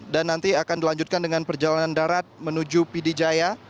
dan nanti akan dilanjutkan dengan perjalanan darat menuju pidijaya